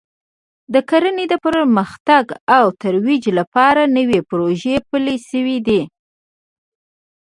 د کرنې د پرمختګ او ترویج لپاره نوې پروژې پلې شوې دي